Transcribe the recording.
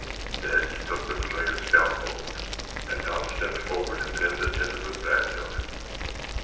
Then he took the familiar scout oath, and Tom stepped forward and pinned the tenderfoot badge on him.